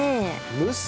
蒸す！